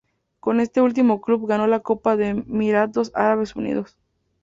Con este último club ganó la Copa de Emiratos Árabes Unidos.